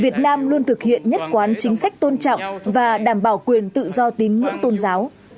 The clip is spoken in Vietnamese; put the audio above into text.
việt nam luôn thực hiện nhất quán chính sách tôn trọng và đảm bảo quyền tự do tín ngưỡng tôn giáo